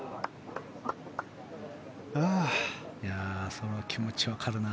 その気持ちわかるな。